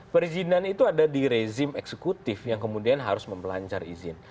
perizinan itu ada di rezim eksekutif yang kemudian harus mempelancar izin